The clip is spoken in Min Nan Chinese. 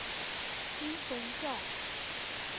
緊分享